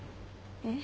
えっ。